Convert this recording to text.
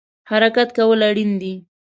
حرکت کول اړین دی